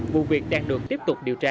vụ việc đang được tiếp tục điều tra